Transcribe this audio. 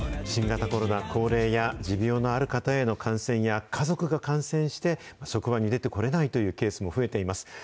新型コロナ、高齢や持病のある方への感染や、家族が感染して、職場に出てこれないというケースも増えています。